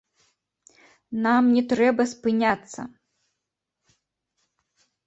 Нам не трэба спыняцца.